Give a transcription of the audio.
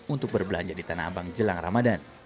untuk berbelanja di tanah abang jelang ramadan